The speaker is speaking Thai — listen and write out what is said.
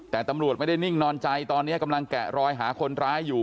แต่ตำรวจไม่ได้นิ่งนอนใจตอนนี้กำลังแกะรอยหาคนร้ายอยู่